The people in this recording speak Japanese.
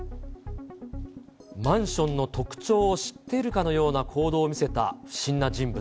マンションの特徴を知っているかのような行動を見せた不審な人物。